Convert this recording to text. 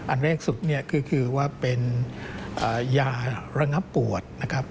อันแรกสุดเนี่ยก็คือว่าเป็นยาระงับปวดนะครับ